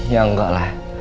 ya enggak lah